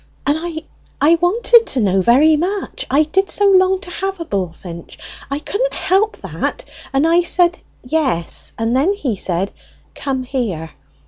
And I wanted to know very much I did so long to have a bullfinch! I couldn't help that and I said, 'Yes!' and then he said, 'Come here.'